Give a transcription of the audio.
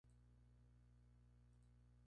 David es hermano menor de Carlos Mario Oquendo.